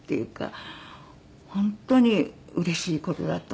本当にうれしい事だと思って。